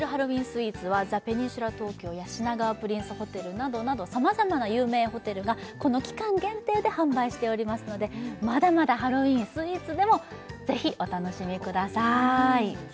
スイーツはザ・ペニンシュラ東京や品川プリンスホテルなどなどさまざまな有名ホテルがこの期間限定で販売しておりますのでまだまだハロウィンをスイーツでもぜひお楽しみください